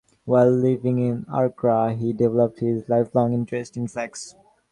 While living in Accra, he developed his lifelong interest in flags.